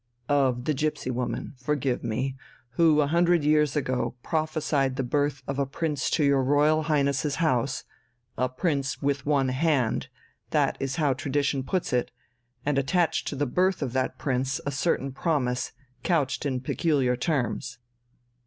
"Of the gipsy woman forgive me! who a hundred years ago prophesied the birth of a Prince to your Royal Highness's house a prince 'with one hand' that is how tradition puts it and attached to the birth of that prince a certain promise, couched in peculiar terms."